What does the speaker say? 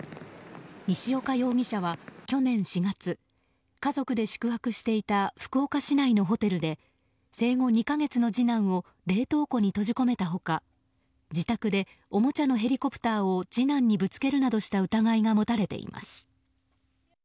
西岡容疑者は、去年４月家族で宿泊していた福岡市内のホテルで生後２か月の次男を冷凍庫に閉じ込めた他自宅でおもちゃのヘリコプターを次男にぶつけるなどした疑いが持たれています。